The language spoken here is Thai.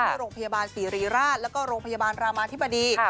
โรงพยาบาลศิริราชแล้วก็โรงพยาบาลรามาธิบดี